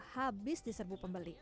habis diserbu pembangunan